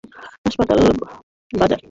হাসপাতাল বাজার।